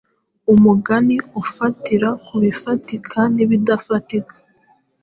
Umugani ufatira ku bifatika n’ibidafatika: